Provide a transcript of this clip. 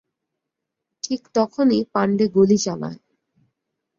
ঠিক তখনই পাণ্ডে গুলি চালায়।